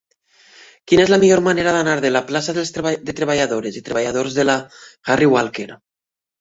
Quina és la millor manera d'anar de la plaça de Treballadores i Treballadors de la Harry Walker